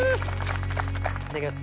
いただきます。